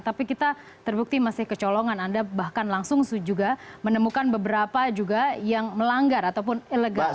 tapi kita terbukti masih kecolongan anda bahkan langsung juga menemukan beberapa juga yang melanggar ataupun ilegal